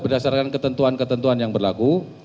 berdasarkan ketentuan ketentuan yang berlaku